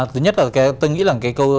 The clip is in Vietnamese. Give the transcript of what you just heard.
thứ nhất là tôi nghĩ là